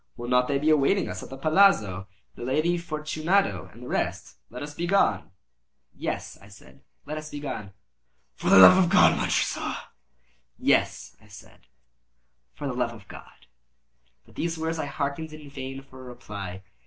Will not they be awaiting us at the palazzo, the Lady Fortunato and the rest? Let us be gone." "Yes," I said, "let us be gone." "For the love of God, Montressor!" "Yes," I said, "for the love of God!" But to these words I hearkened in vain for a reply.